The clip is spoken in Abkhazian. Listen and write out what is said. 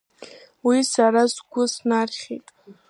Уи сара сгәы снархьит.